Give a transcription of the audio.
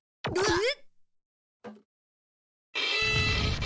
えっ？